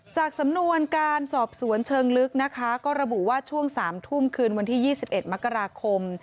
จากสำนวนการสอบสวนเชิงลึกนะคะก็ระบุว่าช่วง๓ทุ่มคืนวันที่๒๑มกราคม